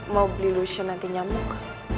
mau beli lution nanti nyamuk